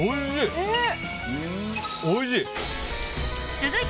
おいしい。